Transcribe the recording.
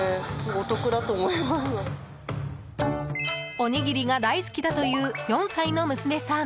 おにぎりが大好きだという４歳の娘さん。